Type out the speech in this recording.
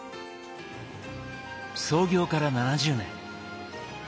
創業から７０年。